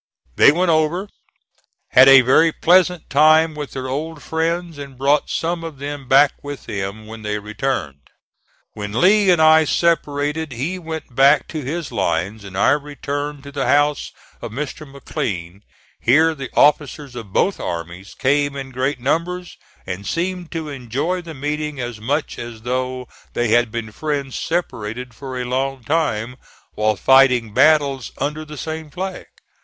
They went over, had a very pleasant time with their old friends, and brought some of them back with them when they returned. When Lee and I separated he went back to his lines and I returned to the house of Mr. McLean. Here the officers of both armies came in great numbers, and seemed to enjoy the meeting as much as though they had been friends separated for a long time while fighting battles under the same flag.